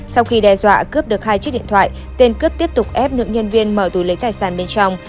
sau khi đe dọa cướp được hai chiếc điện thoại tên cướp tiếp tục ép nữ nhân viên mở tù lấy tài sản bên trong